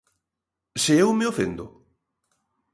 Se eu me ofendo?